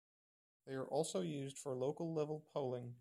They are also used for local level polling.